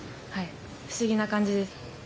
不思議な感じです。